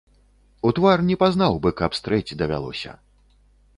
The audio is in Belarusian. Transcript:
У твар не пазнаў бы, каб стрэць давялося.